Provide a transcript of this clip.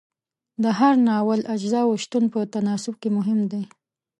د هر ناول اجزاو شتون په تناسب کې مهم دی.